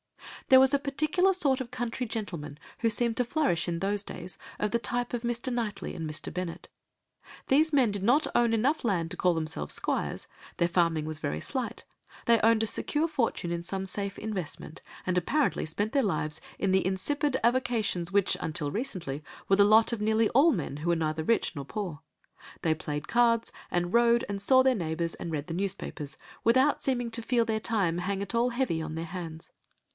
There was a particular sort of country gentleman who seemed to flourish in those days, of the type of Mr. Knightley and Mr. Bennet. These men did not own enough land to call themselves squires, their farming was very slight, they owned a secure fortune in some safe investment, and apparently spent their lives in the insipid avocations which, until recently, were the lot of nearly all men who were neither rich nor poor. They played cards, and rode and saw their neighbours, and read the newspapers, without seeming to feel their time hang at all heavy on their hands.